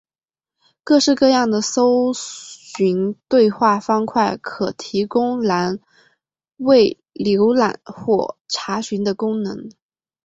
各式各样的搜寻对话方块可提供栏位浏览或查询的功能。